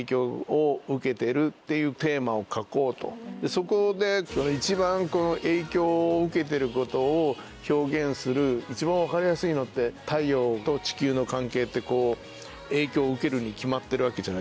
そこで一番影響を受けてることを表現する一番分かりやすいのって太陽と地球の関係って影響受けるに決まってるわけじゃないですか。